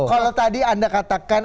kalau tadi anda katakan